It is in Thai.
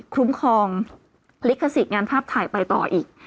คุ้มครองลิขสิทธิ์งานภาพถ่ายไปต่ออีก